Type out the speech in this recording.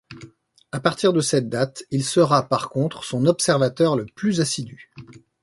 À partir de cette date, il sera par contre son observateur le plus assidu.